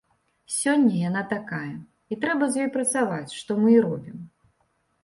Сёння яна такая, і трэба з ёй працаваць, што мы і робім.